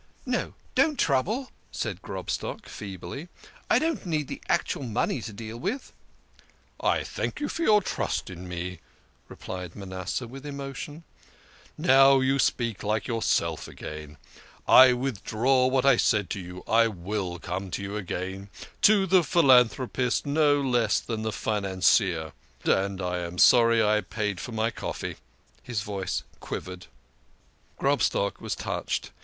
" No, don't trouble," said Grobstock feebly. " I don't need the actual money to deal with." " I thank you for your trust in me," re plied Manasseh with emotion. " Now you speak like yourself again. I withdraw what I said to you. I will come to you again to the philanthropist no less than financier. And and I am sorry I paid for my coffee." His voice quivered. Grobstock was touched.